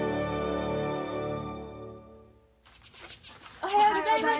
おはようございます。